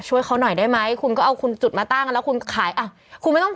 ช่วยเขาหน่อยได้ไหมคุณก็เอาคุณจุดมาตั้งแล้วคุณขายอ่ะคุณไม่ต้อง